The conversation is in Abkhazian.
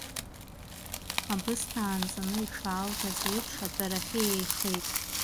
Абысҭа аанҵаны ишаалгаз еиԥш, атәарахь иеихеит.